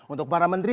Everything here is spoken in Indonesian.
untuk para menteri